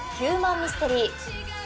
ミステリー